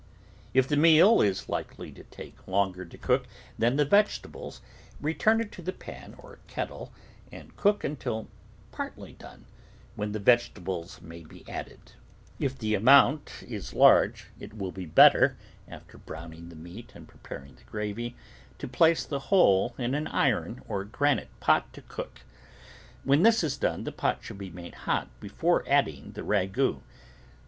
If the meat is likely to take longer to cook than the vegetables, return it to the pan or kettle and cook until partly done, when the vegetables may be added. ROOT VEGETABLES If the amount is large it will be better, after browning the meat and preparing the gravy, to place the whole in an iron or granite pot to cook. When this is done, the pot should be made hot before adding the ragout.